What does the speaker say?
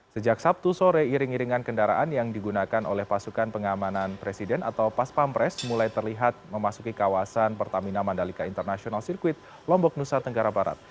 sejak sabtu sore iring iringan kendaraan yang digunakan oleh pasukan pengamanan presiden atau paspampres mulai terlihat memasuki kawasan pertamina mandalika international circuit lombok nusa tenggara barat